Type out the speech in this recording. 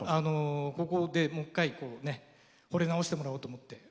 ここでもう一回ほれ直してもらおうと思って。